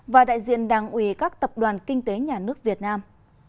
và đại diện đảng ủy các tập đoàn kinh tế nhà nước việt nam